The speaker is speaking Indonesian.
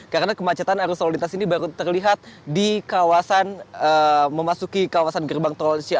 karena kemacetan arus solitas ini baru terlihat di kawasan memasuki kawasan gerbang tol